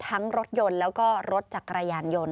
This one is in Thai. ทั้งรถยนต์แล้วก็รถจากกระยานยนต์